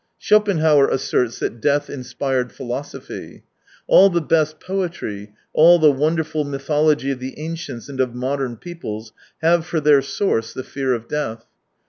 Schopenhauer asserts that death inspired philosophy. All the best poetry, all the wonderful mythology of the ancients and of modern peoples have for their source the fear of death.